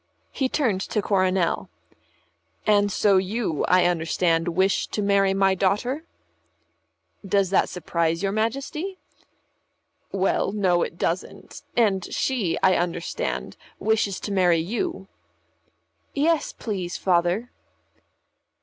He turned to Coronel. "And so you, I understand, wish to marry my daughter?" "Does that surprise your Majesty?" "Well, no, it doesn't. And she, I understand, wishes to marry you." "Yes, please, Father."